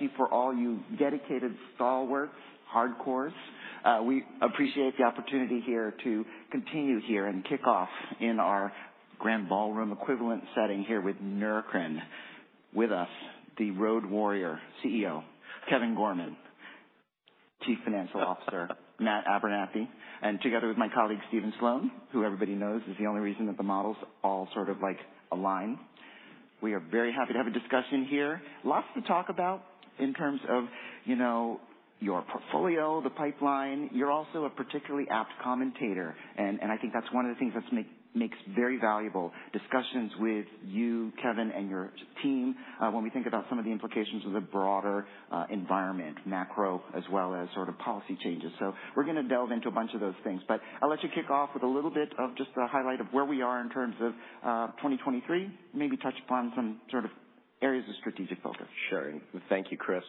Thank you for all you dedicated stalwarts, hardcores. We appreciate the opportunity here to continue here and kick off in our grand ballroom equivalent setting here with Neurocrine. With us, the road warrior CEO, Kevin Gorman, Chief Financial Officer, Matt Abernethy, and together with my colleague, Stephen Sloan, who everybody knows is the only reason that the models all sort of like align. We are very happy to have a discussion here. Lots to talk about in terms of, you know, your portfolio, the pipeline. You're also a particularly apt commentator, and I think that makes very valuable discussions with you, Kevin, and your team, when we think about some of the implications of the broader environment, macro, as well as sort of policy changes. We're going to delve into a bunch of those things. I'll let you kick off with a little bit of just a highlight of where we are in terms of, 2023. Maybe touch upon some sort of areas of strategic focus. Sure. Thank you, Chris.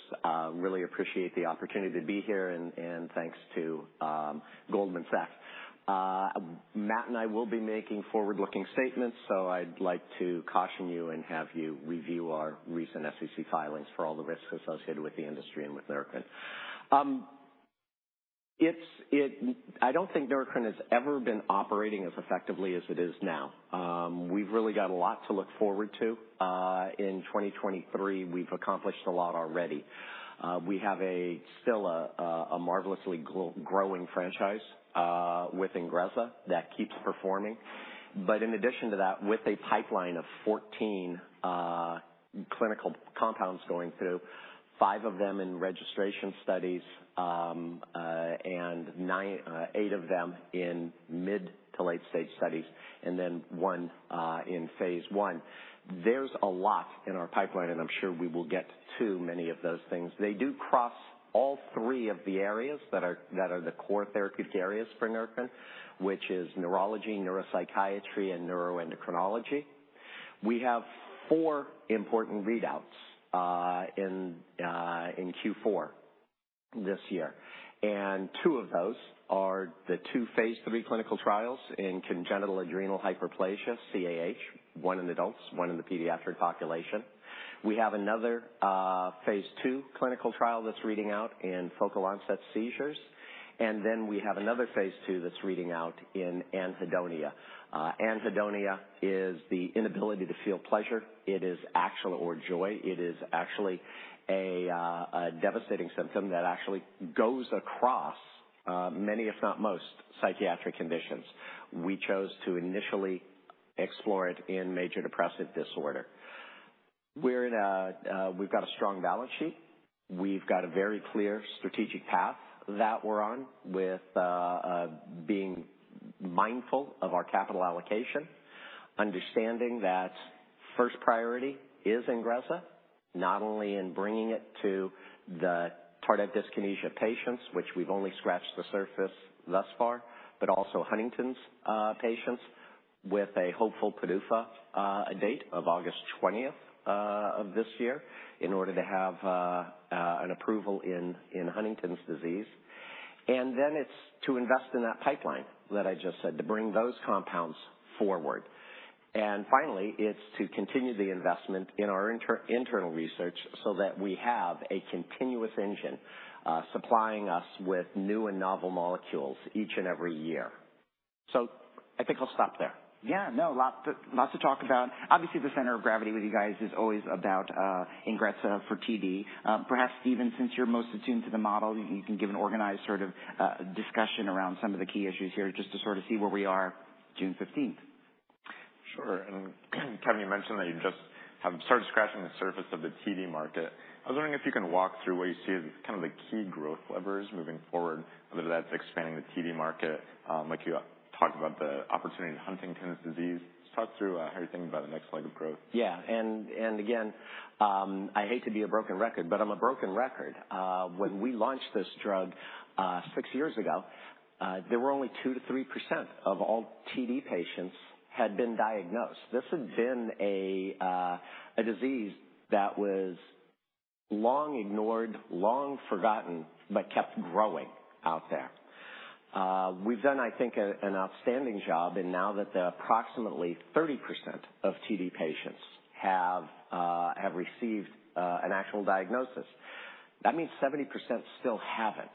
Really appreciate the opportunity to be here, and thanks to Goldman Sachs. Matt and I will be making forward-looking statements, I'd like to caution you and have you review our recent SEC filings for all the risks associated with the industry and with Neurocrine. I don't think Neurocrine has ever been operating as effectively as it is now. We've really got a lot to look forward to in 2023. We've accomplished a lot already. We have a still a marvelously growing franchise with INGREZZA that keeps performing. In addition to that, with a pipeline of 14 clinical compounds going through, five of them in registration studies, eight of them in mid to late stage studies, and then 1 in Phase 1. There's a lot in our pipeline, and I'm sure we will get to many of those things. They do cross all three of the areas that are the core therapeutic areas for Neurocrine, which is neurology, neuropsychiatry, and neuroendocrinology. We have four important readouts in Q4 this year, and two of those are the two phase III clinical trials in congenital adrenal hyperplasia, CAH, one in adults, one in the pediatric population. We have another phase II clinical trial that's reading out in focal onset seizures. We have another phase II that's reading out in anhedonia. Anhedonia is the inability to feel pleasure. It is actual or joy. It is actually a devastating symptom that actually goes across many, if not most, psychiatric conditions. We chose to initially explore it in major depressive disorder. We're in a... We've got a strong balance sheet. We've got a very clear strategic path that we're on with being mindful of our capital allocation, understanding that first priority is INGREZZA, not only in bringing it to the tardive dyskinesia patients, which we've only scratched the surface thus far, but also Huntington's patients, with a hopeful PDUFA date of August 20th of this year, in order to have an approval in Huntington's disease. It's to invest in that pipeline that I just said, to bring those compounds forward. It's to continue the investment in our internal research so that we have a continuous engine supplying us with new and novel molecules each and every year. I think I'll stop there. No, lots to, lots to talk about. Obviously, the center of gravity with you guys is always about INGREZZA for TD. Perhaps, Stephen, since you're most attuned to the model, you can give an organized sort of discussion around some of the key issues here, just to sort of see where we are June 15th. Sure. Kevin, you mentioned that you just have started scratching the surface of the TD market. I was wondering if you can walk through what you see as kind of the key growth levers moving forward, whether that's expanding the TD market, like you talked about the opportunity in Huntington's disease. Just talk through how you're thinking about the next leg of growth. Yeah, and again, I hate to be a broken record, but I'm a broken record. When we launched this drug, six years ago, there were only 2%-3% of all TD patients had been diagnosed. This had been a disease that was long ignored, long forgotten, but kept growing out there. We've done, I think, an outstanding job, and now that approximately 30% of TD patients have received an actual diagnosis, that means 70% still haven't.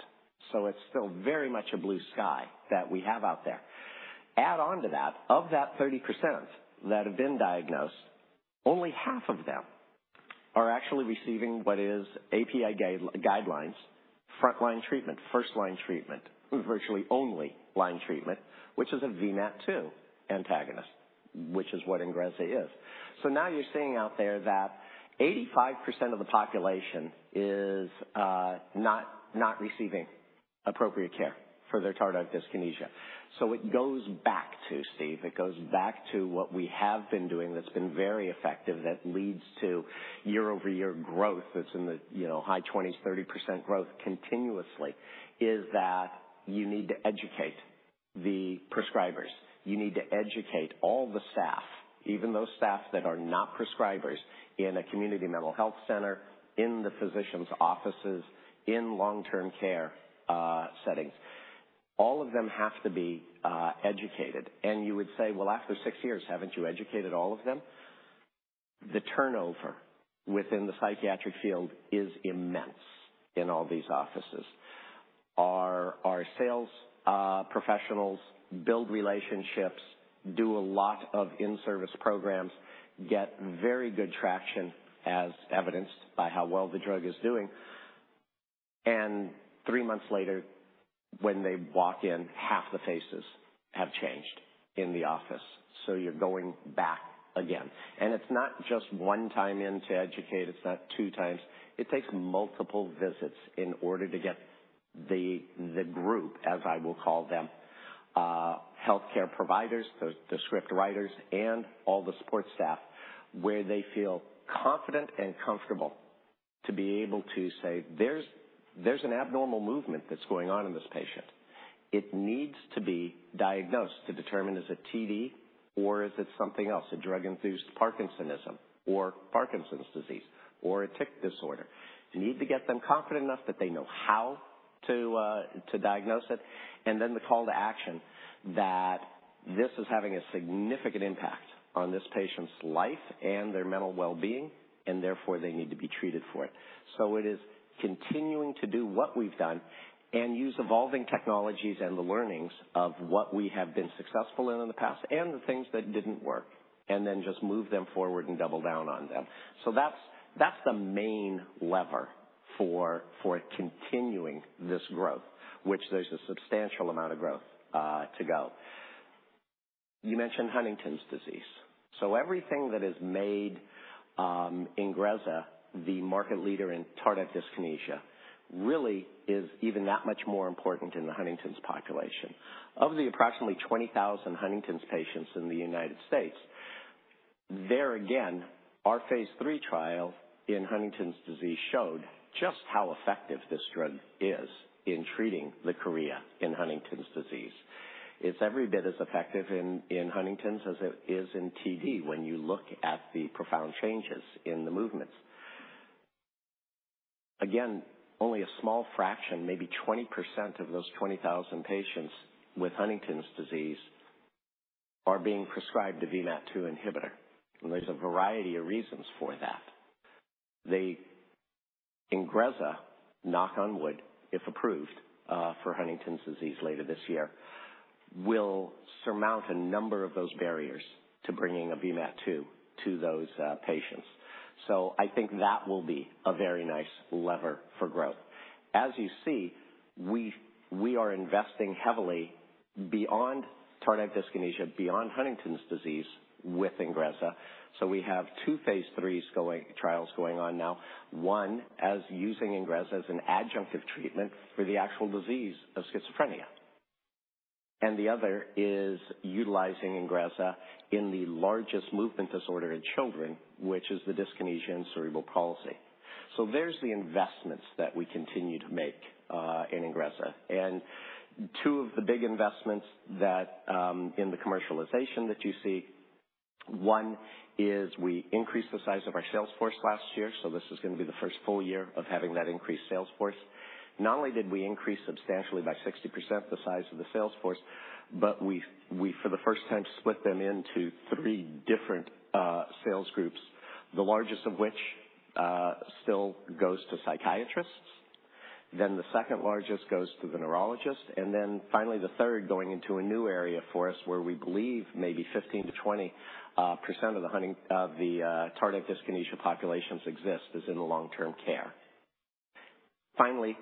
It's still very much a blue sky that we have out there. Add on to that, of that 30% that have been diagnosed, only half of them are actually receiving what is API guidelines, frontline treatment, first-line treatment, virtually only line treatment, which is a VMAT2 inhibitor, which is what INGREZZA is. Now you're seeing out there that 85% of the population is not receiving appropriate care for their tardive dyskinesia. It goes back to, Steve, it goes back to what we have been doing that's been very effective, that leads to year-over-year growth, that's in the, you know, high twenties, 30% growth continuously, is that you need to educate the prescribers. You need to educate all the staff, even those staff that are not prescribers in a community mental health center, in the physician's offices, in long-term care settings. All of them have to be educated. You would say, "Well, after six years, haven't you educated all of them?" The turnover within the psychiatric field is immense in all these offices. Our sales professionals build relationships, do a lot of in-service programs, get very good traction, as evidenced by how well the drug is doing. Three months later, when they walk in, half the faces have changed in the office, so you're going back again. It's not just one time in to educate, it's not two times. It takes multiple visits in order to get the group, as I will call them, healthcare providers, the script writers and all the support staff, where they feel confident and comfortable to be able to say, "There's an abnormal movement that's going on in this patient. It needs to be diagnosed to determine is it TD or is it something else, a drug-induced Parkinsonism or Parkinson's disease or a tic disorder? You need to get them confident enough that they know how to diagnose it, and then the call to action that this is having a significant impact on this patient's life and their mental well-being, and therefore, they need to be treated for it. It is continuing to do what we've done and use evolving technologies and the learnings of what we have been successful in the past, and the things that didn't work, and then just move them forward and double down on them. That's, that's the main lever for continuing this growth, which there's a substantial amount of growth to go. You mentioned Huntington's disease. Everything that has made INGREZZA, the market leader in tardive dyskinesia, really is even that much more important in the Huntington's population. Of the approximately 20,000 Huntington's patients in the United States, there again, our phase III trial in Huntington's disease showed just how effective this drug is in treating the chorea in Huntington's disease. It's every bit as effective in Huntington's as it is in TD when you look at the profound changes in the movements. Again, only a small fraction, maybe 20% of those 20,000 patients with Huntington's disease, are being prescribed a VMAT2 inhibitor, and there's a variety of reasons for that. The INGREZZA, knock on wood, if approved, for Huntington's disease later this year, will surmount a number of those barriers to bringing a VMAT2 to those patients. I think that will be a very nice lever for growth. As you see, we are investing heavily beyond tardive dyskinesia, beyond Huntington's disease with INGREZZA. We have two phase III trials going on now. One, as using INGREZZA as an adjunctive treatment for the actual disease of schizophrenia, and the other is utilizing INGREZZA in the largest movement disorder in children, which is the dyskinesia in cerebral palsy. There's the investments that we continue to make in INGREZZA. Two of the big investments that in the commercialization that you see, one is we increased the size of our sales force last year, so this is gonna be the first full year of having that increased sales force. Not only did we increase substantially by 60% the size of the sales force, but we, for the first time, split them into three different sales groups, the largest of which still goes to psychiatrists, then the second largest goes to the neurologist, and then finally, the third going into a new area for us, where we believe maybe 15%-20% of the tardive dyskinesia populations exist, is in the long-term care. Finally,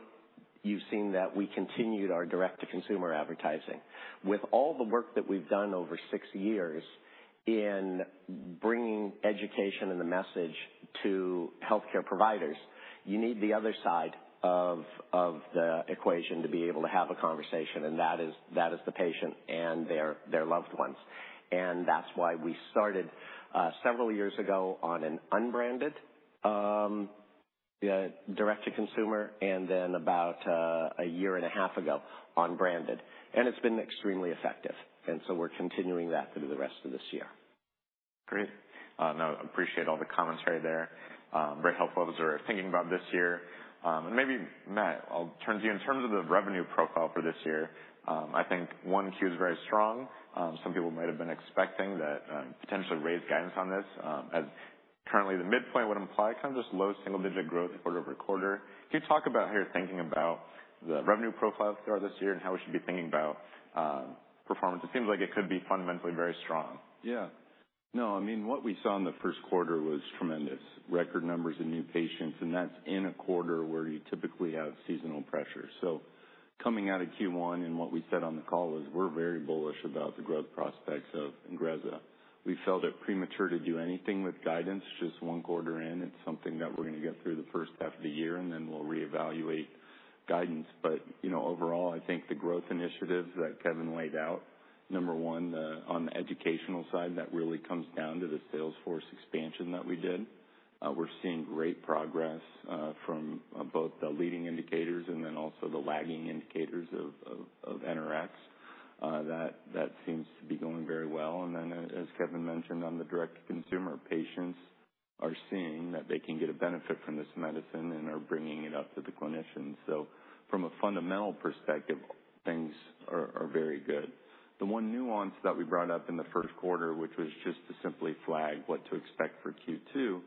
you've seen that we continued our direct-to-consumer advertising. With all the work that we've done over six years in bringing education and the message to healthcare providers, you need the other side of the equation to be able to have a conversation, and that is the patient and their loved ones. That's why we started several years ago on an unbranded direct-to-consumer, and then about a year and a half ago, on branded, and it's been extremely effective, and so we're continuing that through the rest of this year. Great. No, appreciate all the commentary there. Very helpful as we're thinking about this year. Maybe, Matt, I'll turn to you. In terms of the revenue profile for this year, I think 1Q is very strong. Some people might have been expecting that potentially raise guidance on this. As currently, the midpoint would imply kind of just low single-digit growth quarter-over-quarter. Can you talk about how you're thinking about the revenue profile for this year and how we should be thinking about performance? It seems like it could be fundamentally very strong. Yeah. No, I mean, what we saw in the first quarter was tremendous. Record numbers in new patients, that's in a quarter where you typically have seasonal pressure. Coming out of Q1 and what we said on the call was we're very bullish about the growth prospects of INGREZZA. We felt it premature to do anything with guidance, just one quarter in. It's something that we're gonna get through the first half of the year, then we'll reevaluate guidance. You know, overall, I think the growth initiatives that Kevin laid out, number one, on the educational side, that really comes down to the sales force expansion that we did. We're seeing great progress from both the leading indicators and then also the lagging indicators of interact, that seems to be going very well. As Kevin mentioned, on the direct-to-consumer, patients are seeing that they can get a benefit from this medicine and are bringing it up to the clinicians. From a fundamental perspective, things are very good. The one nuance that we brought up in the first quarter, which was just to simply flag what to expect for Q2,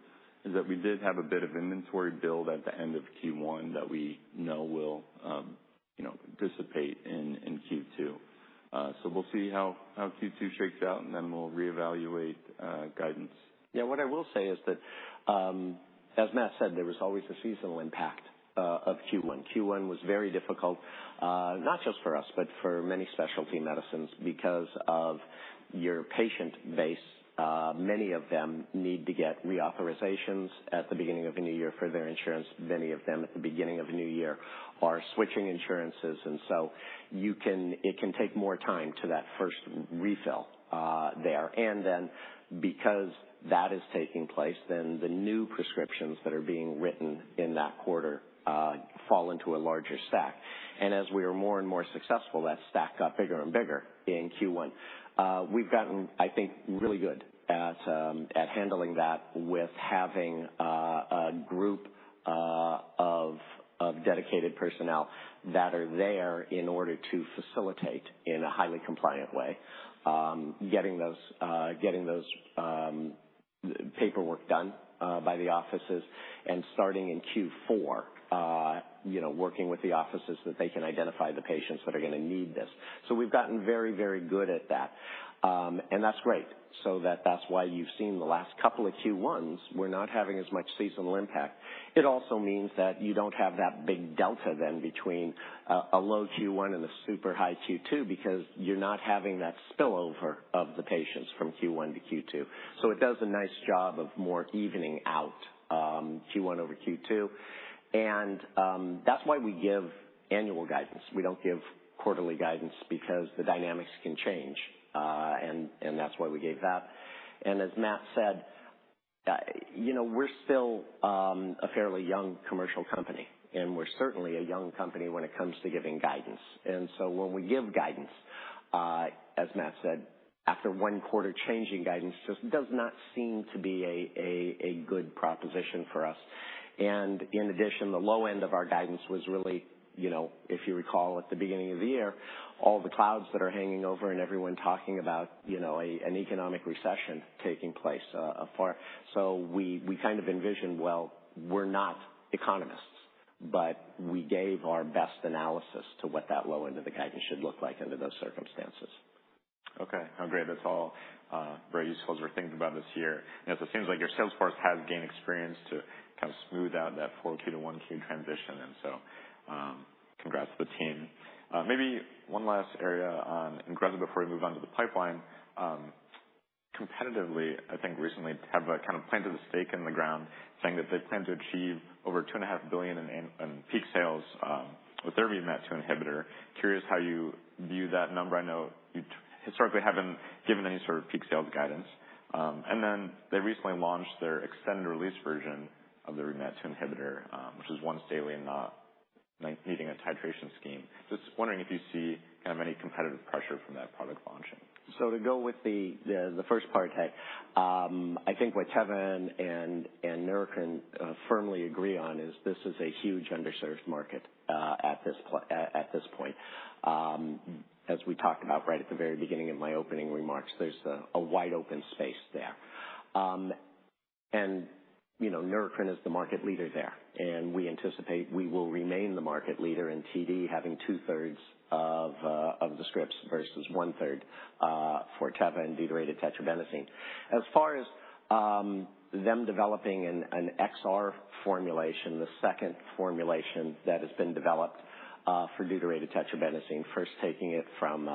is that we did have a bit of inventory build at the end of Q1 that we know will, you know, dissipate in Q2. We'll see how Q2 shakes out, and then we'll reevaluate guidance. Yeah. What I will say is that, as Matt said, there was always a seasonal impact of Q1. Q1 was very difficult, not just for us, but for many specialty medicines because of your patient base. Many of them need to get reauthorizations at the beginning of a new year for their insurance. Many of them, at the beginning of a new year, are switching insurances, so it can take more time to that first refill there. Because that is taking place, then the new prescriptions that are being written in that quarter, fall into a larger stack. As we are more and more successful, that stack got bigger and bigger in Q1. We've gotten, I think, really good at handling that with having a group of dedicated personnel that are there in order to facilitate in a highly compliant way. Getting those paperwork done by the offices and starting in Q4, working with the offices that they can identify the patients that are going to need this. We've gotten very good at that. That's great. That's why you've seen the last couple of Q1s, we're not having as much seasonal impact. It also means that you don't have that big delta then between a low Q1 and a super high Q2, because you're not having that spillover of the patients from Q1 to Q2. It does a nice job of more evening out Q1 over Q2. That's why we give annual guidance. We don't give quarterly guidance because the dynamics can change, and that's why we gave that. As Matt said, you know, we're still a fairly young commercial company, and we're certainly a young company when it comes to giving guidance. When we give guidance, as Matt said, after 1 quarter, changing guidance just does not seem to be a good proposition for us. In addition, the low end of our guidance was really, you know, if you recall, at the beginning of the year, all the clouds that are hanging over and everyone talking about, you know, an economic recession taking place afar. We kind of envisioned, well, we're not economists, but we gave our best analysis to what that low end of the guidance should look like under those circumstances. Okay. That's all very useful as we're thinking about this year. It seems like your sales force has gained experience to kind of smooth out that 4Q to 1Q transition, congrats to the team. Maybe one last area on INGREZZA before we move on to the pipeline. Competitively, I think recently, Teva kind of planted a stake in the ground saying that they plan to achieve over $2.5 billion in peak sales with their VMAT2 inhibitor. Curious how you view that number. I know you historically haven't given any sort of peak sales guidance. They recently launched their extended-release version of their VMAT2 inhibitor, which is once daily and not needing a titration scheme. Just wondering if you see kind of any competitive pressure from that product launching. To go with the first part, Hey, I think what Kevin and Neurocrine firmly agree on is this is a huge underserved market at this point. As we talked about right at the very beginning of my opening remarks, there's a wide open space there. And, you know, Neurocrine is the market leader there, and we anticipate we will remain the market leader in TD, having 2/3 of the scripts versus 1/3 for Teva and deutetrabenazine. As far as them developing an XR formulation, the second formulation that has been developed for deutetrabenazine, first taking it from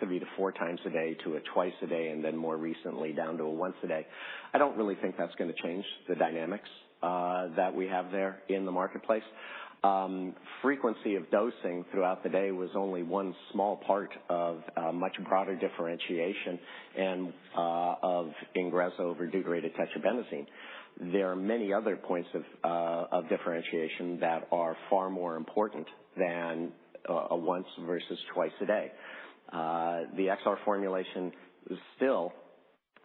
three to four times a day to a twice a day, and then more recently down to a once a day. I don't really think that's going to change the dynamics that we have there in the marketplace. Frequency of dosing throughout the day was only one small part of a much broader differentiation and of INGREZZA over deutetrabenazine. There are many other points of differentiation that are far more important than a once versus twice a day. The XR formulation still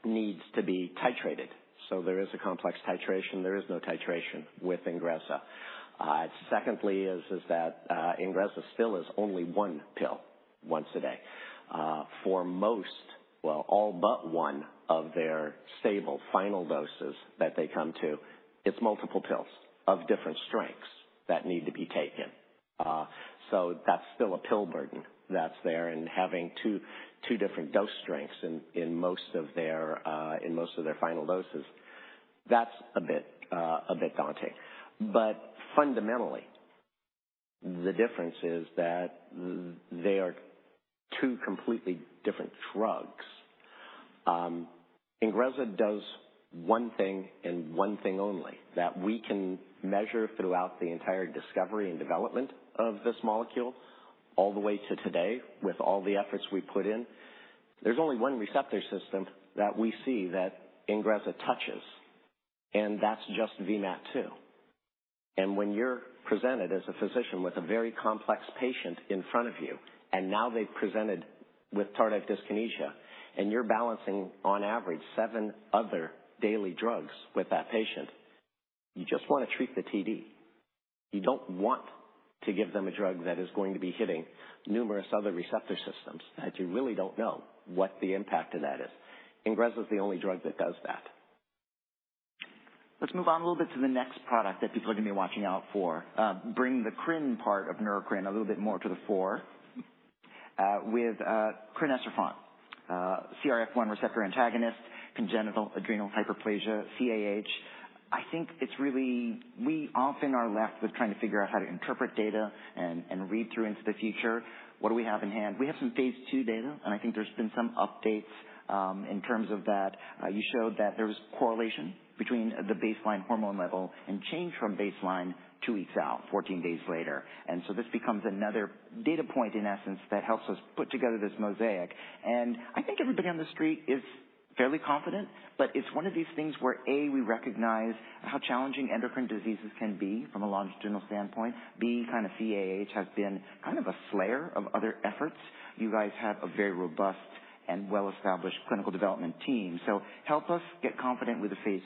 needs to be titrated, so there is a complex titration. There is no titration with INGREZZA. Secondly is that INGREZZA still is only one pill once a day. For most, well, all but one of their stable final doses that they come to, it's multiple pills of different strengths that need to be taken. That's still a pill burden that's there. Having two different dose strengths in most of their final doses, that's a bit daunting. Fundamentally, the difference is that they are two completely different drugs. INGREZZA does one thing and one thing only, that we can measure throughout the entire discovery and development of this molecule, all the way to today, with all the efforts we put in. There's only one receptor system that we see that INGREZZA touches, and that's just VMAT2. When you're presented as a physician with a very complex patient in front of you, and now they've presented with tardive dyskinesia, and you're balancing, on average, seven other daily drugs with that patient, you just wanna treat the TD. You don't want to give them a drug that is going to be hitting numerous other receptor systems, that you really don't know what the impact in that is. INGREZZA is the only drug that does that. Let's move on a little bit to the next product that people are gonna be watching out for. Bring the crine part of Neurocrine a little bit more to the fore, with crinecerfont, CRF1 receptor antagonist, congenital adrenal hyperplasia, CAH. We often are left with trying to figure out how to interpret data and read through into the future. What do we have in hand? We have some phase II data, and I think there's been some updates, in terms of that. You showed that there was correlation between the baseline hormone level and change from baseline two weeks out, 14 days later. This becomes another data point, in essence, that helps us put together this mosaic. I think everybody on the street is fairly confident, but it's one of these things where, A, we recognize how challenging endocrine diseases can be from a longitudinal standpoint. B, kind of CAH has been kind of a slayer of other efforts. You guys have a very robust and well-established clinical development team. Help us get confident with the phase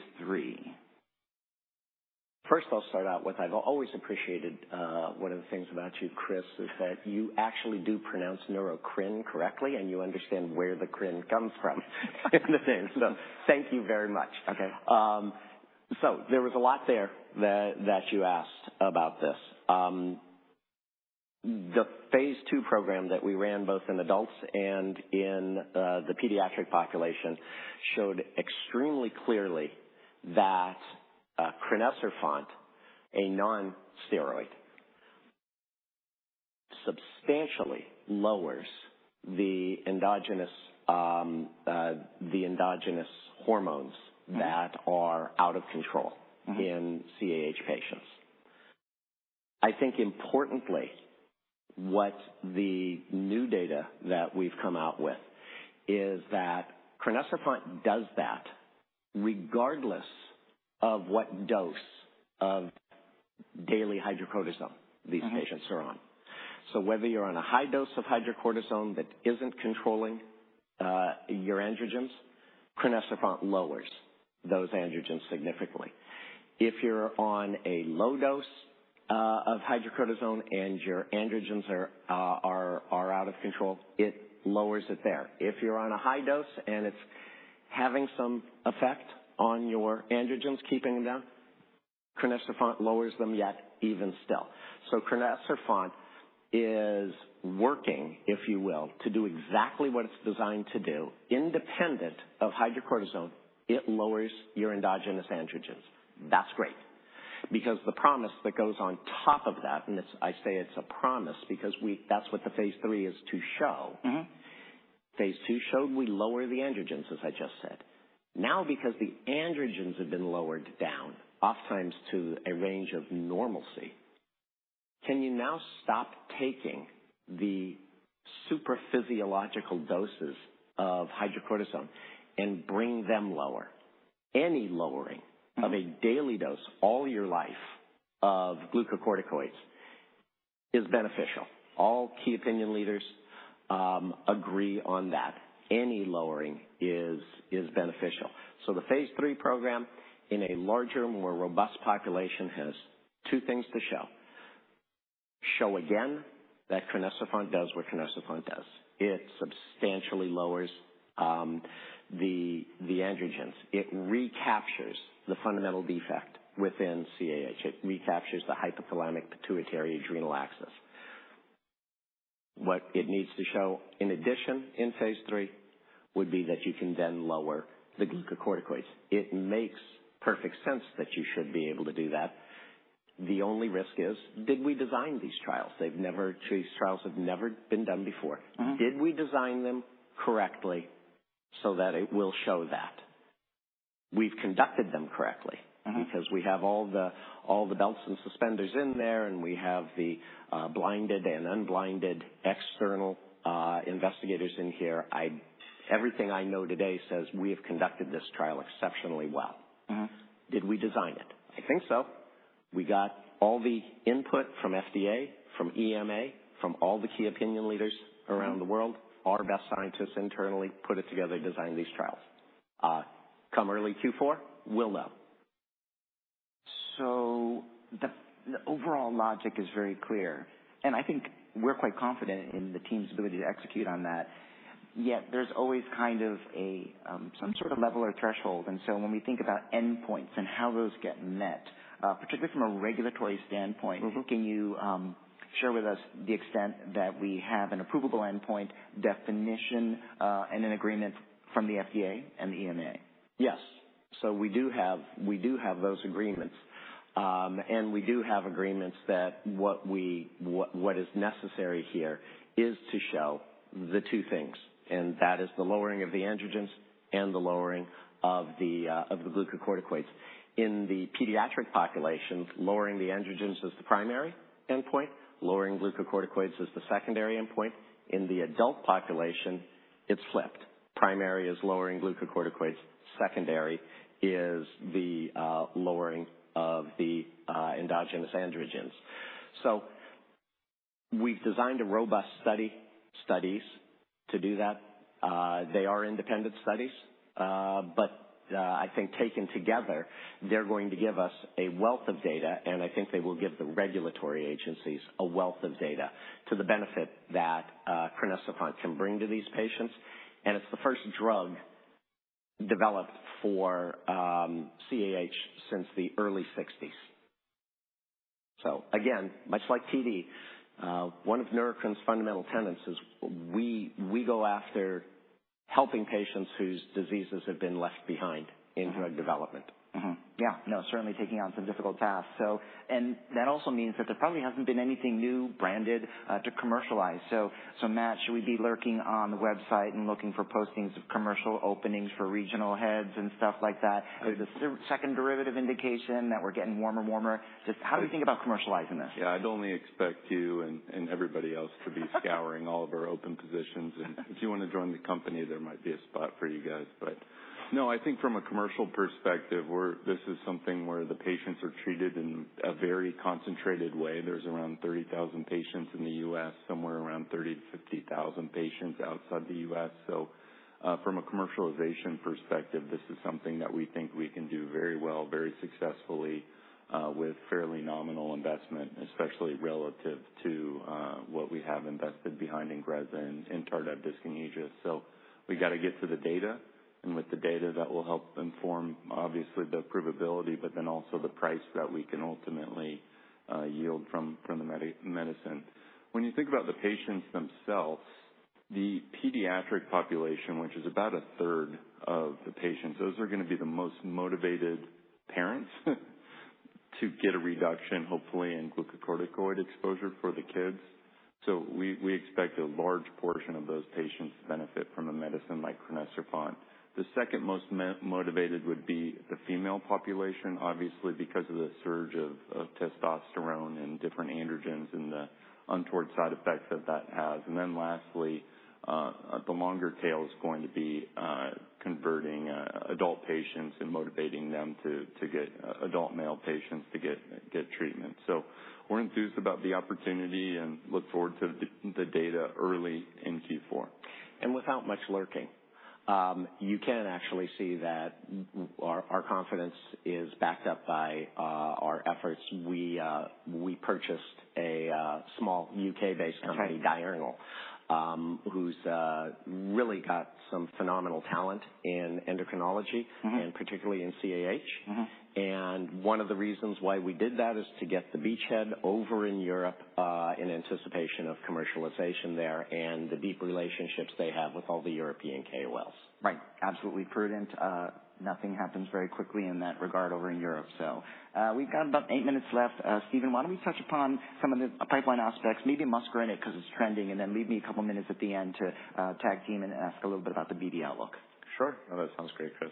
III. I'll start out with, I've always appreciated, one of the things about you, Chris, is that you actually do pronounce Neurocrine correctly, and you understand where the crine comes from in the name, so thank you very much. Okay. There was a lot there that you asked about this. The phase II program that we ran, both in adults and in the pediatric population, showed extremely clearly that CRENESSITY, a non-steroid, substantially lowers the endogenous hormones... Mm-hmm. -that are out of control- Mm-hmm. -in CAH patients. I think importantly, what the new data that we've come out with is that CRENESSITY does that regardless of what dose of daily hydrocortisone these patients are on. Mm-hmm. Whether you're on a high dose of hydrocortisone that isn't controlling your androgens, CRENESSITY lowers those androgens significantly. If you're on a low dose of hydrocortisone and your androgens are out of control, it lowers it there. If you're on a high dose and it's having some effect on your androgens, keeping them down, CRENESSITY lowers them yet even still. CRENESSITY is working, if you will, to do exactly what it's designed to do. Independent of hydrocortisone, it lowers your endogenous androgens. That's great, because the promise that goes on top of that, and I say it's a promise because that's what the phase III is to show. Mm-hmm. Phase II showed we lower the androgens, as I just said. Now, because the androgens have been lowered down, oftentimes to a range of normalcy, can you now stop taking the supraphysiological doses of hydrocortisone and bring them lower? Any lowering... Mm-hmm. of a daily dose all your life of glucocorticoids is beneficial. All key opinion leaders agree on that. Any lowering is beneficial. The phase III program, in a larger, more robust population, has two things to show. Show again that CRENESSITY does what CRENESSITY does. It substantially lowers the androgens. It recaptures the fundamental defect within CAH. It recaptures the hypothalamic-pituitary-adrenal axis. What it needs to show in addition, in phase III, would be that you can then lower the glucocorticoids. It makes perfect sense that you should be able to do that. The only risk is, did we design these trials? These trials have never been done before. Mm-hmm. Did we design them correctly so that it will show that? We've conducted them correctly. Mm-hmm. Because we have all the, all the belts and suspenders in there, and we have the, blinded and unblinded external, investigators in here. Everything I know today says we have conducted this trial exceptionally well. Mm-hmm. Did we design it? I think so. We got all the input from FDA, from EMA, from all the key opinion leaders around the world. Our best scientists internally put it together, designed these trials. Come early Q4, we'll know. The overall logic is very clear, and I think we're quite confident in the team's ability to execute on that. Yet there's always kind of a, some sort of level or threshold, and so when we think about endpoints and how those get met, particularly from a regulatory standpoint. Mm-hmm. Can you share with us the extent that we have an approvable endpoint definition, and an agreement from the FDA and the EMA? Yes. We do have those agreements. We do have agreements that what is necessary here is to show the two things, and that is the lowering of the androgens and the lowering of the glucocorticoids. In the pediatric populations, lowering the androgens is the primary endpoint, lowering glucocorticoids is the secondary endpoint. In the adult population, it's flipped. Primary is lowering glucocorticoids, secondary is the lowering of the endogenous androgens. We've designed a robust studies to do that. They are independent studies, but I think taken together, they're going to give us a wealth of data, and I think they will give the regulatory agencies a wealth of data to the benefit that crinecerfont can bring to these patients. It's the first drug developed for CAH since the early 1960s. Again, much like TD, one of Neurocrine's fundamental tenets is we go after helping patients whose diseases have been left behind in drug development. Yeah. No, certainly taking on some difficult tasks. That also means that there probably hasn't been anything new branded to commercialize. Matt, should we be lurking on the website and looking for postings of commercial openings for regional heads and stuff like that? Is this the second derivative indication that we're getting warmer and warmer? Just how do you think about commercializing this? Yeah, I'd only expect you and everybody else to be scouring all of our open positions, and if you want to join the company, there might be a spot for you guys. No, I think from a commercial perspective, this is something where the patients are treated in a very concentrated way. There's around 30,000 patients in the U.S., somewhere around 30,000-50,000 patients outside the U.S. From a commercialization perspective, this is something that we think we can do very well, very successfully, with fairly nominal investment, especially relative to what we have invested behind INGREZZA and in tardive dyskinesia. We got to get to the data, and with the data that will help inform, obviously, the provability, but then also the price that we can ultimately yield from the medicine. When you think about the patients themselves, the pediatric population, which is about a third of the patients, those are gonna be the most motivated parents to get a reduction, hopefully, in glucocorticoid exposure for the kids. We expect a large portion of those patients to benefit from a medicine like crinecerfont. The second most motivated would be the female population, obviously, because of the surge of testosterone and different androgens and the untoward side effects that has. Lastly, the longer tail is going to be converting adult patients and motivating them to get adult male patients to get treatment. We're enthused about the opportunity and look forward to the data early in Q4. Without much lurking, you can actually see that our confidence is backed up by our efforts. We, we purchased a small U.K.-based company- Right. Diurnal, who's really got some phenomenal talent in endocrinology. Mm-hmm. Particularly in CAH. Mm-hmm. One of the reasons why we did that is to get the beachhead over in Europe, in anticipation of commercialization there, and the deep relationships they have with all the European KOLs. Right. Absolutely prudent. Nothing happens very quickly in that regard over in Europe. We've got about 8 minutes left. Steven, why don't we touch upon some of the pipeline aspects, maybe muscarinic, 'cause it's trending, and then leave me a couple minutes at the end to tag team and ask a little bit about the BD outlook? Sure. No, that sounds great, Chris.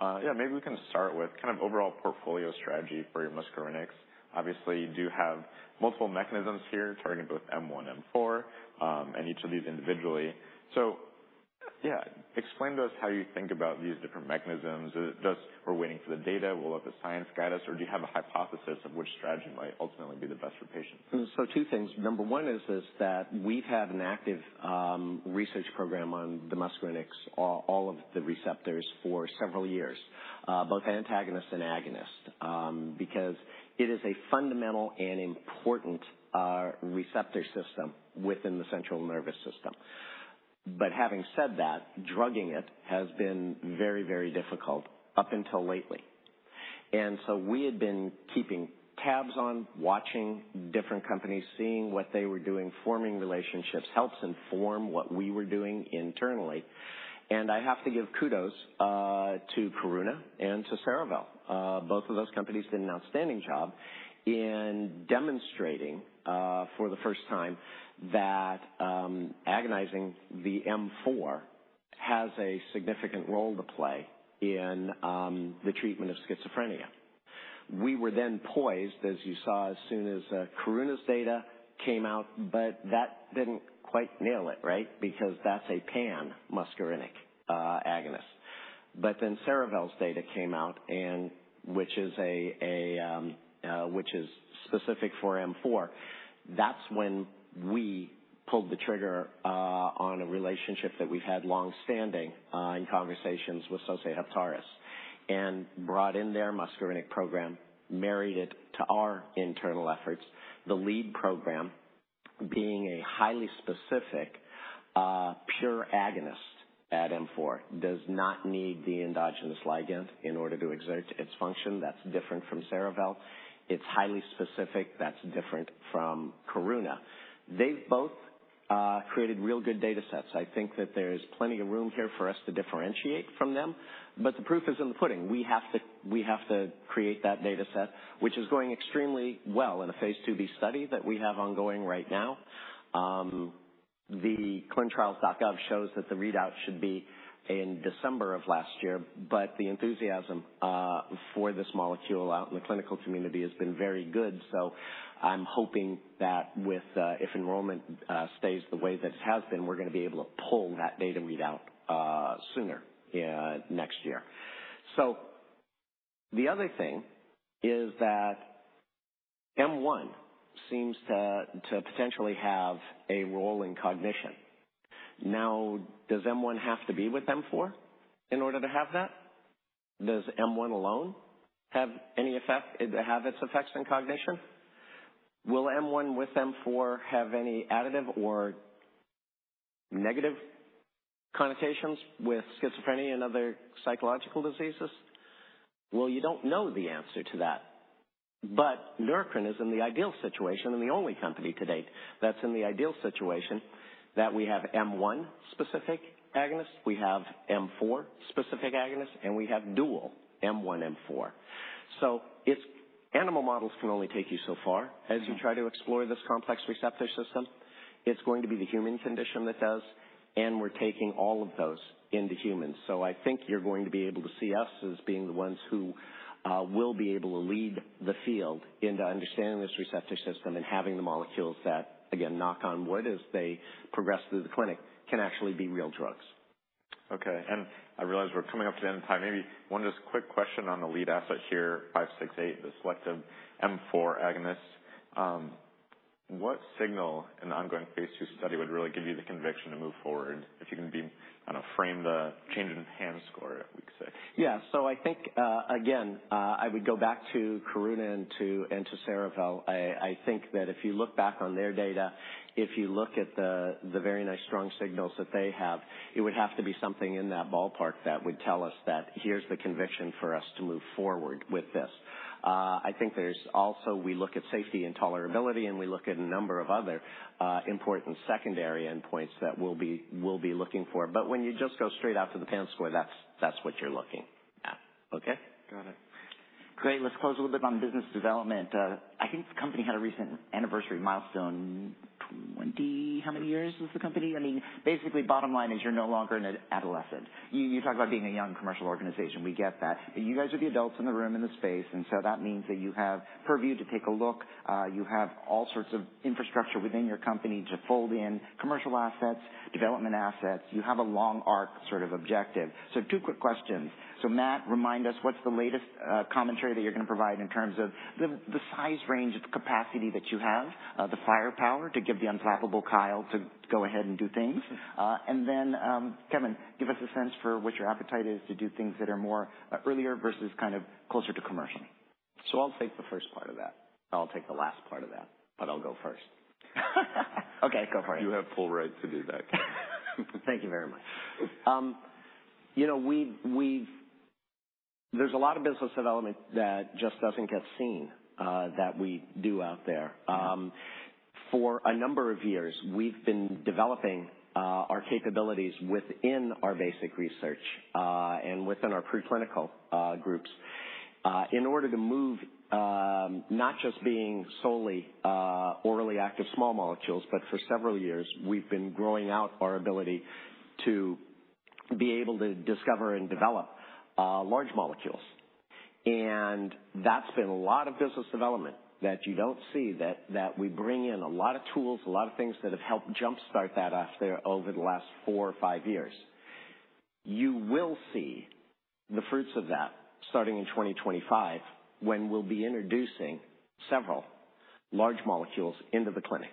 Yeah, maybe we can start with kind of overall portfolio strategy for your muscarinics. Obviously, you do have multiple mechanisms here, targeting both M1, M4, and each of these individually. Yeah, explain to us how you think about these different mechanisms? Is it just we're waiting for the data? We'll let the science guide us, or do you have a hypothesis of which strategy might ultimately be the best for patients? Two things. Number one is that we've had an active research program on the muscarinics, all of the receptors, for several years, both antagonist and agonist, because it is a fundamental and important receptor system within the central nervous system. Having said that, drugging it has been very, very difficult up until lately. We had been keeping tabs on, watching different companies, seeing what they were doing, forming relationships, helps inform what we were doing internally. I have to give kudos to Karuna and to Cerevel. Both of those companies did an outstanding job in demonstrating for the first time that agonizing the M4 has a significant role to play in the treatment of schizophrenia. We were then poised, as you saw, as soon as Karuna's data came out, but that didn't quite nail it, right? Because that's a pan-muscarinic agonist. Cerevel's data came out and which is a which is specific for M4. That's when we pulled the trigger on a relationship that we've had long-standing in conversations with Sosei Heptares, and brought in their muscarinic program, married it to our internal efforts. The lead program, being a highly specific, pure agonist at M4, does not need the endogenous ligand in order to exert its function. That's different from Cerevel. It's highly specific. That's different from Karuna. They've both created real good data sets. I think that there's plenty of room here for us to differentiate from them, but the proof is in the pudding. We have to create that data set, which is going extremely well in a phase IIb study that we have ongoing right now. The clinicaltrials.gov shows that the readout should be in December of last year, the enthusiasm for this molecule out in the clinical community has been very good. I'm hoping that with if enrollment stays the way that it has been, we're gonna be able to pull that data readout sooner next year. The other thing is that M1 seems to potentially have a role in cognition. Does M1 have to be with M4 in order to have that? Does M1 alone have its effects on cognition? Will M1 with M4 have any additive or negative connotations with schizophrenia and other psychological diseases? You don't know the answer to that, but Neurocrine is in the ideal situation, and the only company to date that's in the ideal situation, that we have M1 specific agonist, we have M4 specific agonist, and we have dual M1/M4. Animal models can only take you so far as you try to explore this complex receptor system. It's going to be the human condition that does, and we're taking all of those into humans. I think you're going to be able to see us as being the ones who will be able to lead the field into understanding this receptor system and having the molecules that, again, knock on wood, as they progress through the clinic, can actually be real drugs. Okay. I realize we're coming up to the end of time. Maybe one just quick question on the lead asset here, 568, the selective M4 agonist. What signal in the ongoing Phase II study would really give you the conviction to move forward, if you can be, kind of, frame the change in the PANSS score, we could say? I think, again, I would go back to Karuna and to, and to Cerevel. I think that if you look back on their data, if you look at the very nice strong signals that they have, it would have to be something in that ballpark that would tell us that here's the conviction for us to move forward with this. I think there's also, we look at safety and tolerability, and we look at a number of other, important secondary endpoints that we'll be looking for. When you just go straight out to the PANSS score, that's what you're looking at. Okay? Got it. Great. Let's close a little bit on business development. I think the company had a recent anniversary milestone, how many years was the company? I mean, basically bottom line is you're no longer an adolescent. You talked about being a young commercial organization. We get that. You guys are the adults in the room, in the space, and so that means that you have purview to take a look. You have all sorts of infrastructure within your company to fold in commercial assets, development assets. You have a long arc sort of objective. Two quick questions. Matt, remind us, what's the latest commentary that you're going to provide in terms of the size range of the capacity that you have, the firepower to give the unflappable Kyle to go ahead and do things? Kevin, give us a sense for what your appetite is to do things that are more earlier versus kind of closer to commercial. I'll take the first part of that. I'll take the last part of that, but I'll go first. Okay, go for it. You have full right to do that. Thank you very much. you know, there's a lot of business development that just doesn't get seen that we do out there. For a number of years, we've been developing our capabilities within our basic research and within our preclinical groups in order to move, not just being solely orally active small molecules, but for several years, we've been growing out our ability to be able to discover and develop large molecules. That's been a lot of business development that you don't see that we bring in a lot of tools, a lot of things that have helped jumpstart that out there over the last four or five years. You will see the fruits of that starting in 2025, when we'll be introducing several large molecules into the clinic.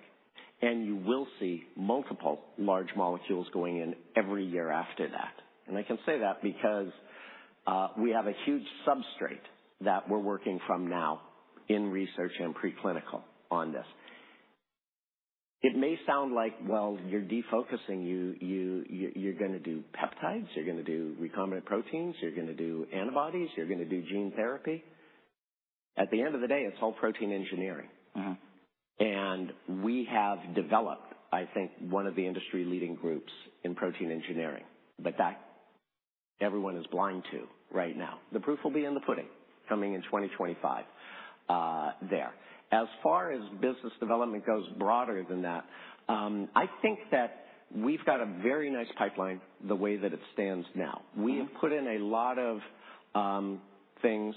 You will see multiple large molecules going in every year after that. I can say that because we have a huge substrate that we're working from now in research and preclinical on this. It may sound like, well, you're defocusing. You're going to do peptides, you're going to do recombinant proteins, you're going to do antibodies, you're going to do gene therapy. At the end of the day, it's all protein engineering. Mm-hmm. We have developed, I think, one of the industry-leading groups in protein engineering, but that everyone is blind to right now. The proof will be in the pudding coming in 2025 there. As far as business development goes broader than that, I think that we've got a very nice pipeline the way that it stands now. Mm-hmm. We have put in a lot of things.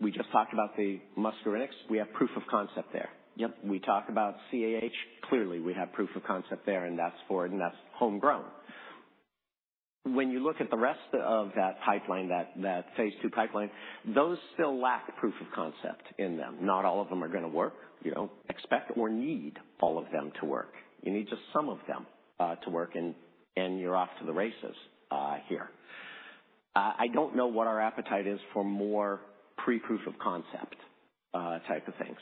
We just talked about the muscarinic. We have proof of concept there. Yep. We talked about CAH. Clearly, we have proof of concept there, and that's for it, and that's homegrown. You look at the rest of that pipeline, that phase II pipeline, those still lack proof of concept in them. Not all of them are going to work. You don't expect or need all of them to work. You need just some of them to work, and you're off to the races here. I don't know what our appetite is for more pre-proof of concept type of things.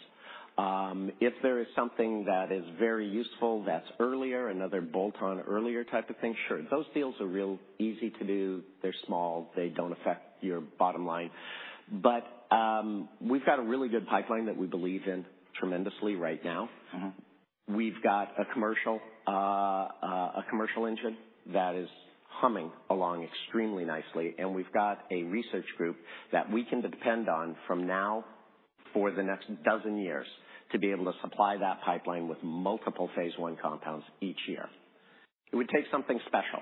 If there is something that is very useful that's earlier, another bolt-on earlier type of thing, sure, those deals are real easy to do. They're small. They don't affect your bottom line. We've got a really good pipeline that we believe in tremendously right now. Mm-hmm. We've got a commercial, a commercial engine that is humming along extremely nicely, and we've got a research group that we can depend on from now for the next 12 years to be able to supply that pipeline with multiple phase I compounds each year. It would take something special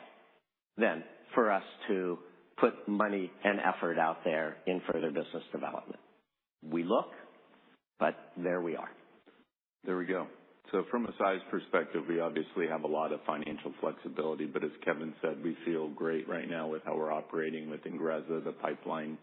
then for us to put money and effort out there in further business development. We look, but there we are. There we go. From a size perspective, we obviously have a lot of financial flexibility, but as Kevin said, we feel great right now with how we're operating with INGREZZA, the pipeline,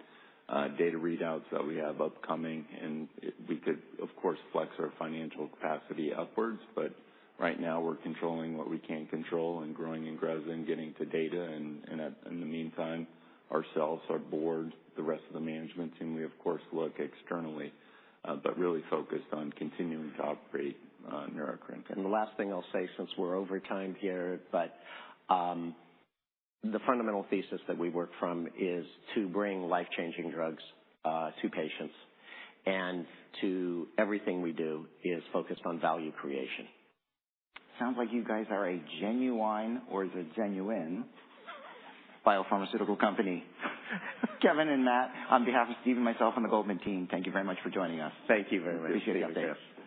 data readouts that we have upcoming, and we could, of course, flex our financial capacity upwards, but right now we're controlling what we can control and growing INGREZZA and getting to data, in the meantime, ourselves, our board, the rest of the management team, we of course, look externally, but really focused on continuing to operate Neurocrine. The last thing I'll say, since we're over time here, but the fundamental thesis that we work from is to bring life-changing drugs to patients, and everything we do is focused on value creation. Sounds like you guys are a genuine, or is it biopharmaceutical company. Kevin and Matt, on behalf of Steve and myself and the Goldman Sachs team, thank you very much for joining us. Thank you very much. Appreciate the update.